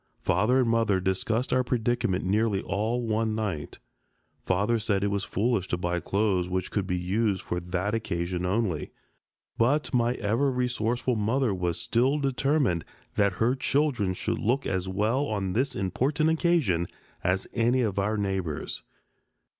Father and mother discussed our predicament nearly all one night. Father said it was foolish to buy clothes which could be used for that occasion only. But my ever resourceful mother was still determined that her children should look as well on this important occasion as any of our neighbors.